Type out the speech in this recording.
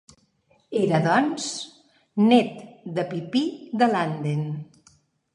Era doncs nét de Pipí de Landen.